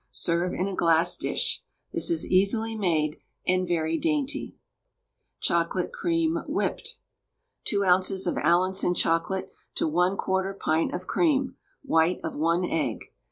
Serve in a glass dish. This is easily made, and very dainty. CHOCOLATE CREAM (WHIPPED). 2 oz. of Allinson chocolate to 1/4 pint of cream, white of 1 egg.